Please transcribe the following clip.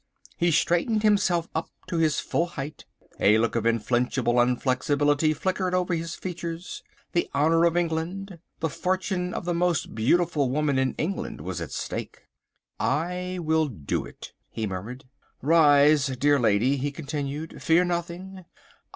He straightened himself up to his full height. A look of inflinchable unflexibility flickered over his features. The honour of England, the fortune of the most beautiful woman in England was at stake. "I will do it," he murmured. "Rise dear lady," he continued. "Fear nothing.